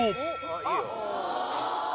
いいよ。